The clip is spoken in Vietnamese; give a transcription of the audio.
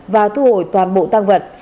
và thu hồi toàn bộ tăng vật